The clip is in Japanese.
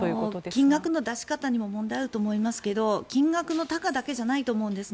金額の出し方にも問題があると思いますが金額の多寡だけじゃないと思うんです。